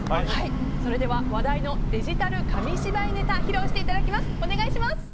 それでは話題のデジタル紙芝居ネタ披露していただきます。